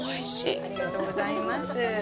ありがとうございます。